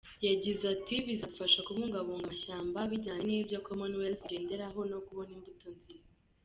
Yagize ati “ Bizadufasha kubungabunga amashyamba bijyanye n’ibyo Commonwealth igenderaho no kubona imbuto nziza.